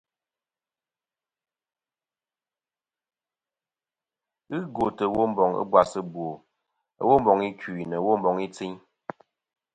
Ghɨ gwòtɨ Womboŋ ɨbwas ɨbwò, womboŋ ikui nɨ womboŋ i tsiyn.